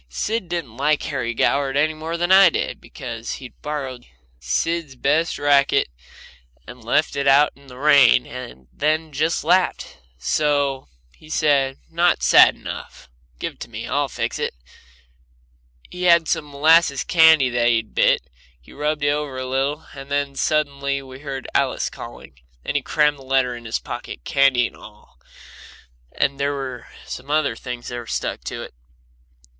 Sid didn't like Harry Goward any more than I did, because he'd borrowed Sid's best racket and left it out in the rain, and then just laughed. So he said: "Not sad enough. Give it to me. I'll fix it." He had some molasses candy that he'd bit, and he rubbed that over it a little, and then suddenly we heard Alice calling, and he crammed the letter in his pocket, candy and all, and there were some other things in there that stuck to it.